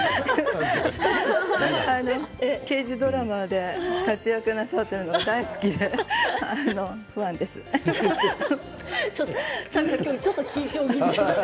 刑事ドラマで活躍なさっているのが大好きで今日ちょっと緊張気味で。